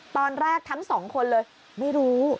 ตอนแรกทั้งสองคนเลยไม่รู้